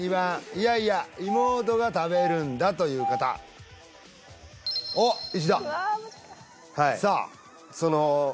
いやいや妹が食べるんだという方おっ石田うわ